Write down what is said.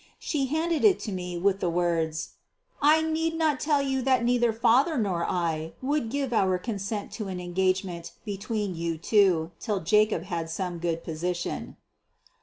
She handed it to me with the words: "I need not tell you that neither father nor I would ever give our consent to an engagement between you two till Jacob had some good position."